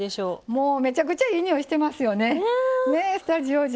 もうめちゃくちゃいい匂いしてますよねスタジオ中。